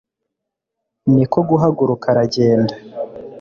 ni ko guhaguruka aragenda